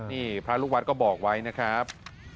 นี่พระลูกวัดก็บอกไว้นะครับ